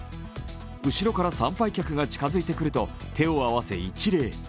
後ろから参拝客が近づいてくると手を合わせ一礼。